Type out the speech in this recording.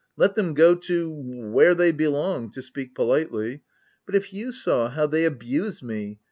Let them go to — where they belong, to speak po litely. But if you saw how they abuse me?